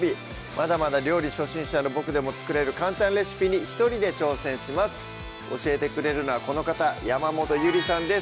まだまだ料理初心者のボクでも作れる簡単レシピに一人で挑戦します教えてくれるのはこの方山本ゆりさんです